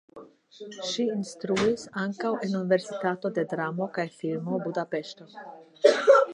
Ŝi instruis ankaŭ en Universitato de Dramo kaj Filmo (Budapeŝto).